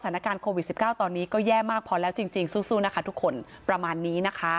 สถานการณ์โควิด๑๙ตอนนี้ก็แย่มากพอแล้วจริงสู้นะคะทุกคนประมาณนี้นะคะ